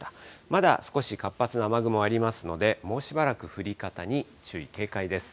まだ少し活発な雨雲ありますので、もうしばらく降り方に注意、警戒です。